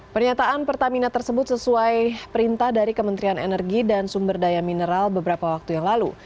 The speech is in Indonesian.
pernyataan pertamina tersebut sesuai perintah dari kementerian energi dan sumber daya mineral beberapa waktu yang lalu